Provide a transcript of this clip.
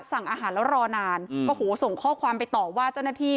สั่งอาหารแล้วรอนานโอ้โหส่งข้อความไปต่อว่าเจ้าหน้าที่